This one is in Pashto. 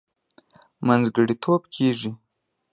منځګړتوب کېږي.